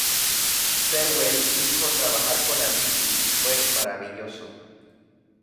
Sewell dijoː"Trabajar con Avicii fue maravilloso.